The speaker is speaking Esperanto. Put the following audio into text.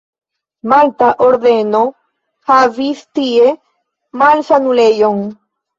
Malta Ordeno havis tie malsanulejon.